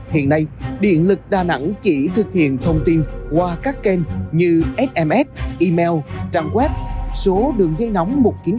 hiện nay điện lực đà nẵng chỉ thực hiện thông tin qua các kênh như sms email trang web số đường dây nóng một chín không không một chín không chín